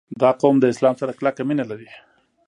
• دا قوم د اسلام سره کلکه مینه لري.